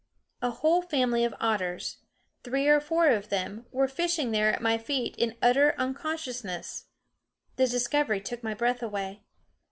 A whole family of otters, three or four of them, were fishing there at my feet in utter unconsciousness. The discovery took my breath away.